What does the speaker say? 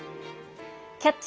「キャッチ！